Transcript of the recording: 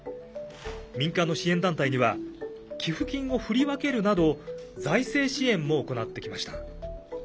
民間の支援団体には寄付金を振り分けるなど財政支援も行ってきました。